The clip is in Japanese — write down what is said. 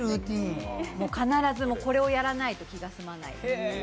もう必ず、これをやらないと気が済まない。